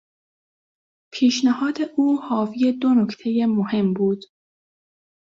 پیشنهاد او حاوی دو نکتهی مهم بود.